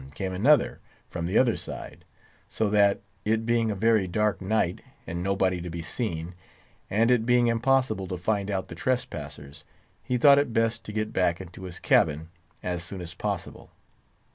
came another, from the other side; so that, it being a very dark night, and nobody to be seen, and it being impossible to find out the trespassers, he thought it best to get back into his cabin as soon as possible.